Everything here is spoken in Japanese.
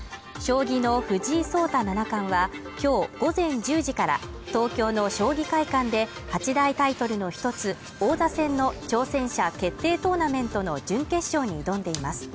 将棋の藤井聡太七冠は今日午前１０時から東京の将棋会館で８大タイトルの一つ王座戦の挑戦者決定トーナメントの準決勝に挑んでいます。